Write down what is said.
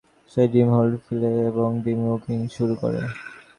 সে Darkhold খুলে ফেলে এবং ড্রিমওয়াকিং শুরু করে।